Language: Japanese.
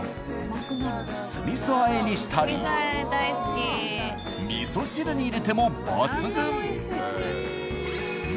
酢味噌あえにしたり味噌汁に入れても抜群。